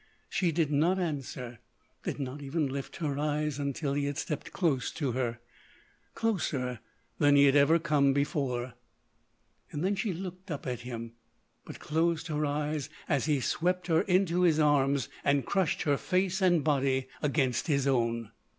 She did not answer, did not even lift her eyes until he had stepped close to her—closer than he had ever come. Then she looked up at him, but closed her eyes as he swept her into his arms and crushed her face and body against his own.